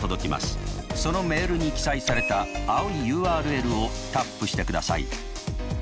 そのメールに記載された青いＵＲＬをタップしてください。